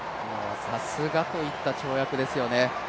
さすがといった跳躍ですよね。